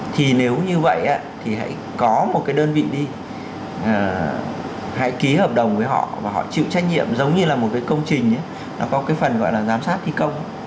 thì nếu như vậy thì hãy có một cái đơn vị đi hãy ký hợp đồng với họ và họ chịu trách nhiệm giống như là một cái công trình nó có cái phần gọi là giám sát thi công